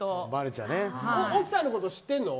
奥さんのこと知ってるの？